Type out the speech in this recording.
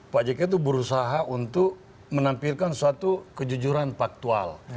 pak jk itu berusaha untuk menampilkan suatu kejujuran faktual